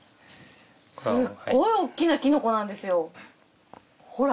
すっごい大きなキノコなんですよ。ほら！